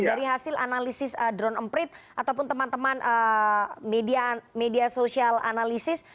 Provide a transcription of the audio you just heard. dari hasil analisis drone emprit ataupun teman teman media sosial analisis